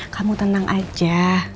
kamu tenang aja